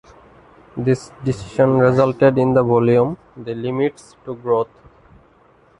This decision resulted in the volume "The Limits to Growth".